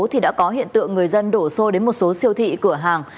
thì đã có hiện tượng người dân đổ xô đến một số siêu thị cửa hàng